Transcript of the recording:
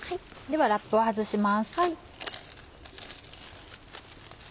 ではラップを外します。